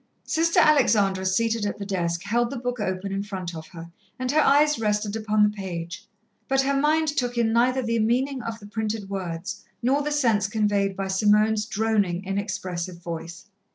Sister Alexandra, seated at the desk, held the book open in front of her, and her eyes rested upon the page, but her mind took in neither the meaning of the printed words nor the sense conveyed by Simone's droning, inexpressive voice.